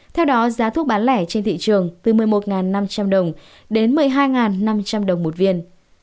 theo đó giá thuốc bán lẻ trên thị trường từ một mươi một năm trăm linh đồng đến một mươi hai năm trăm linh đồng một viên